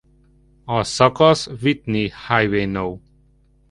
A szakasz Whitney Highway No.